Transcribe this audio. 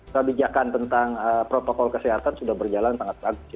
kebijakan tentang protokol kesehatan sudah berjalan sangat bagus